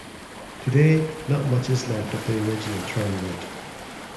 Today not much is left of the original tram route.